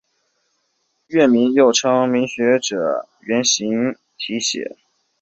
院名又著名学者袁行霈题写。